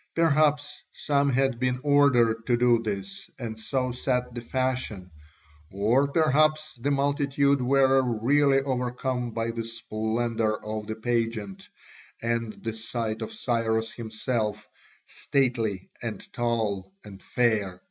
Perhaps some had been ordered to do this and so set the fashion, or perhaps the multitude were really overcome by the splendour of the pageant and the sight of Cyrus himself, stately and tall and fair.